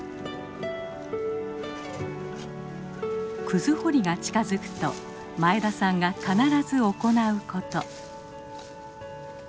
クズ掘りが近づくと前田さんが必ず行うこと。